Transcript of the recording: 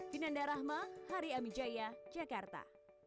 vinanda rahma hari amijaya jakarta